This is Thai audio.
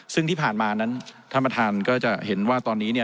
ซึ่งที่ผ่านมานั้นท่านประธานก็จะเห็นว่าตอนนี้เนี่ย